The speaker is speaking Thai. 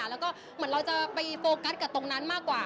แล้วก็ไปโกรธกันตรงหน้ามากกว่า